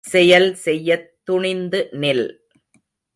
செயல் செய்யத் துணிந்து நில்!